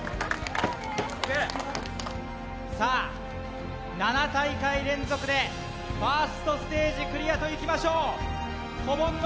さあ７大会連続でファーストステージクリアといきましょう子煩悩